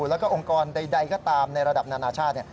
แล้วก็องค์กรใดก็ตามในระดับนานาชาติ